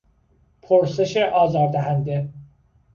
پرسش آزار دهنده